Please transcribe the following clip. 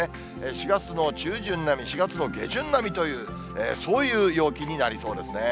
４月の中旬並み、４月の下旬並みという、そういう陽気になりそうですね。